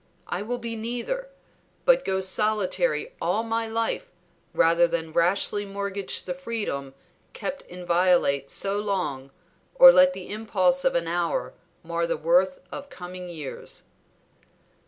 I will be neither, but go solitary all my life rather than rashly mortgage the freedom kept inviolate so long, or let the impulse of an hour mar the worth of coming years."